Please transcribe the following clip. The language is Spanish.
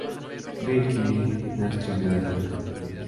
Birkin no inscribió el No.